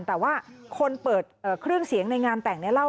แต่ว่าคนเปิดเครื่องเสียงในงานแต่งเนี่ยเล่า